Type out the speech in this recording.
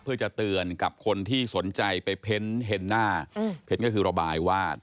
เพื่อจะเตือนกับคนที่สนใจไปเพ้นเห็นหน้าเพ้นก็คือระบายวาด